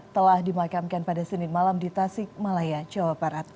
telah dimakamkan pada senin malam di tasik malaya jawa barat